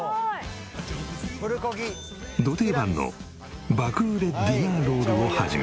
定番の爆売れディナーロールを始め。